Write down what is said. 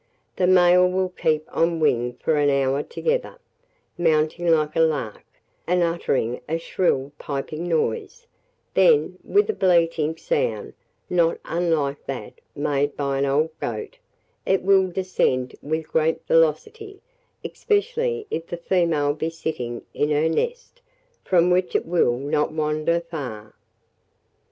The male will keep on wing for an hour together, mounting like a lark, and uttering a shrill piping noise; then, with a bleating sound, not unlike that made by an old goat, it will descend with great velocity, especially if the female be sitting in her nest, from which it will not wander far.